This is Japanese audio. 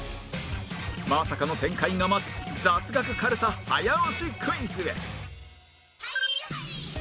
まさかの展開が待つ雑学かるた早押しクイズへ